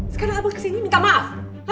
sekarang aku kesini minta maaf